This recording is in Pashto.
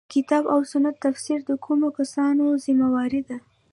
د کتاب او سنت تفسیر د کومو کسانو ذمه واري ده.